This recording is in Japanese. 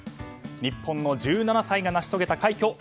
日本の１７歳が成し遂げた快挙。